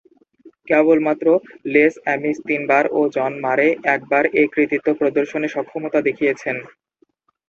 কেবলমাত্র Les Amis তিনবার ও জন মারে একবার এ কৃতিত্ব প্রদর্শনে সক্ষমতা দেখিয়েছেন।